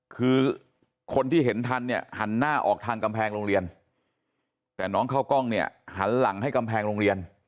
คือคนที่เห็นทันเนี่ยหันหน้าออกทางกำแพงโรงเรียนแต่น้องเข้ากล้องเนี่ยหันหลังให้กำแพงโรงเรียน